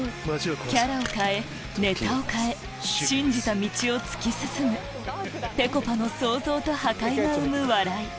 キャラを変えネタを変え信じた道を突き進むぺこぱの創造と破壊が生む笑い